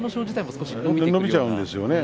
伸びちゃうんですよね。